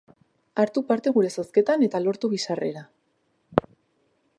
Hartu parte gure zozketan eta lortu bi sarrera.